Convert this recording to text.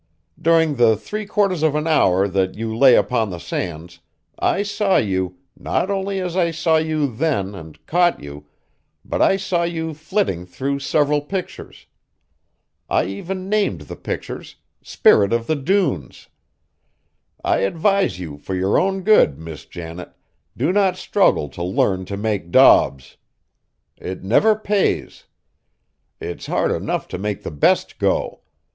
During the three quarters of an hour that you lay upon the sands, I saw you, not only as I saw you then and caught you, but I saw you flitting through several pictures. I even named the pictures, Spirit of the Dunes. I advise you for your own good, Miss Janet, do not struggle to learn to make daubs! It never pays. It's hard enough to make the best go.